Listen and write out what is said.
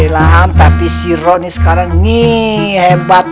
laham tapi si ro sekarang hebat